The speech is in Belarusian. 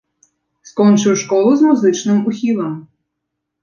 Скончыў школу з музычным ухілам.